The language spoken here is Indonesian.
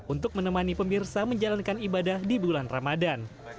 untuk menemani pemirsa menjalankan ibadah di bulan ramadan